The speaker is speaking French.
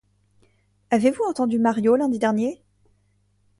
Avez-vous entendu Mario lundi dernier ?